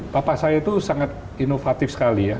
papa saya itu sangat inovatif sekali ya